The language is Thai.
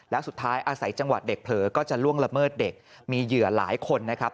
แล้วสุดท้ายอาศัยจังหวะเด็กเผลอก็จะล่วงละเมิดเด็กมีเหยื่อหลายคนนะครับ